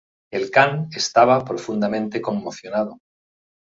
El Kan estaba profundamente conmocionado.